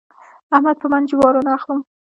احمد په من جوارو نه اخلم.